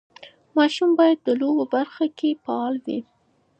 ماشوم باید د لوبو برخه کې فعال وي.